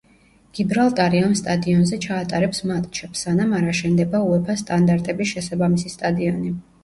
გიბრალტარი ამ სტადიონზე ჩაატარებს მატჩებს სანამ არ აშენდება უეფას სტანდარტების შესაბამისი სტადიონი.